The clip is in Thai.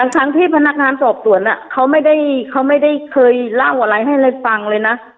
ทั้งที่พนักงานสอบสวนเขาไม่ได้เคยเล่าอะไรให้เลยฟังเลยนะ